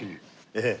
ええ。